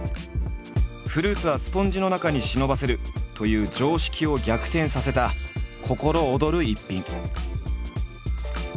フルーツはスポンジの中に忍ばせるという常識を逆転させた心躍る逸品。